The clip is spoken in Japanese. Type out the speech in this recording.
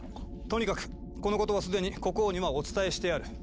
とにかくこのことは既に国王にはお伝えしてある。